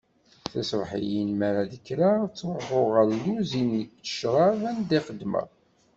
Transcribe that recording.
Tiṣebḥiyin mi ara d-kkreɣ, ttruḥuɣ ɣer lluzin n ccrab anda i xeddmeɣ.